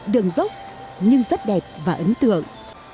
đường dốc nhưng rất đẹp và ấn tượng